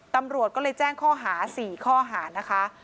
ตำรวจก็เลยแจ้งข้อหา๔ข้อหานะคะ